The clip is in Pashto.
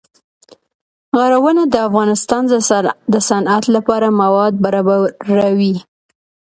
غرونه د افغانستان د صنعت لپاره مواد برابروي.